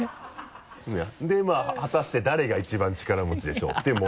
「果たして誰が一番力持ちでしょう？」っていう問題だね